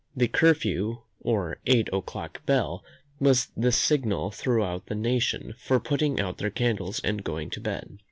The curfew, or eight o'clock bell, was the signal throughout the nation for putting out their candles and going to bed.